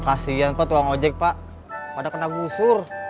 kasian pak tukang ojek pada kena busur